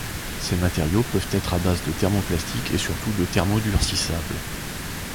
Ces matériaux peuvent être à base de thermoplastiques et surtout de thermodurcissables.